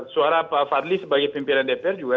suara pak fadli sebagai pimpinan dpr juga